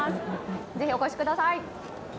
ぜひお越しください。